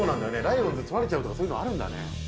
ライオンズ取られちゃうとかそういうのあるんだね。